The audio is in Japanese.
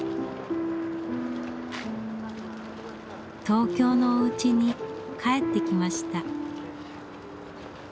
東京のおうちに帰ってきました。